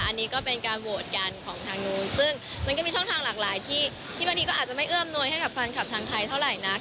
อันนี้ก็เป็นการโหวตกันของทางนู้นซึ่งมันก็มีช่องทางหลากหลายที่บางทีก็อาจจะไม่เอื้อมนวยให้กับแฟนคลับทางไทยเท่าไหร่นัก